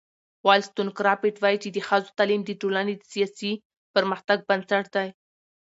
ولستون کرافټ وایي چې د ښځو تعلیم د ټولنې د سیاسي پرمختګ بنسټ دی.